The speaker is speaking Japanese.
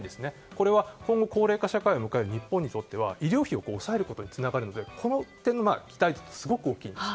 これは今後、高齢化社会を迎える日本にとっては医療費を抑えることにつながるので期待も大きいんです。